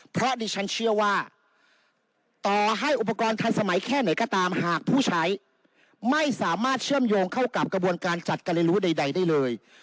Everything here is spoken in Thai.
เพราะดิฉันเชื่อว่าต่อให้อุปกรณ์ทันสมัยแค่ไหนก็ตามหากผู้ใช้ไม่สามารถเชื่อมโยงเข้ากับกระบวนการจัดการเรียนรู้ใดได้เลย